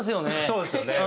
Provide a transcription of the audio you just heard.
そうですよね。